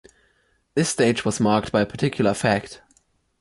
This stage was marked by a particular fact.